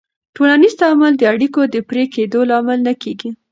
ټولنیز تعامل د اړیکو د پرې کېدو لامل نه کېږي.